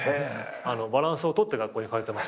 バランスを取って学校に通ってました。